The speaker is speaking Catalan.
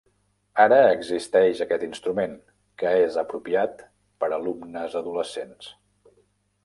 Ara existeix aquest instrument, que és apropiat per alumnes adolescents.